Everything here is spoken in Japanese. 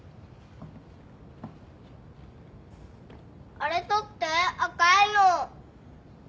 あれ取って赤いの。